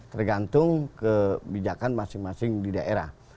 tergantung kebijakan masing masing di daerah